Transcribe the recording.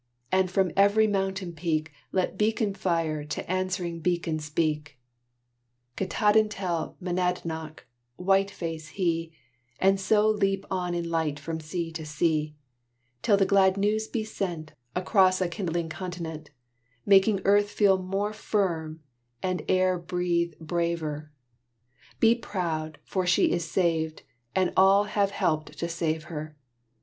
And from every mountain peak, Let beacon fire to answering beacon speak, Katahdin tell Monadnock, Whiteface he, And so leap on in light from sea to sea, Till the glad news be sent Across a kindling continent, Making earth feel more firm and air breathe braver: "Be proud! for she is saved, and all have helped to save her!